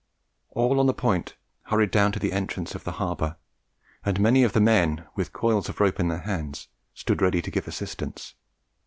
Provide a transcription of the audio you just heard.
"All on the Point hurried down to the entrance of the harbour; and many of the men, with coils of rope in their hands, stood ready to give assistance.